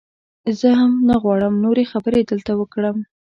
زه هم نه غواړم نورې خبرې دلته وکړم.